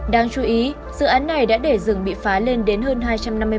đáng chú ý dự án này đã để rừng bị phá lên đến hơn hai trăm năm mươi m hai